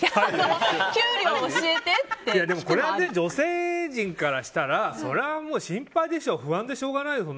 これは女性陣からしたらそれはもう心配でしょ不安でしょうがないよ。